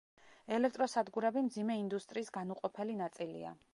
ელექტროსადგურები მძიმე ინდუსტრიის განუყოფელი ნაწილია.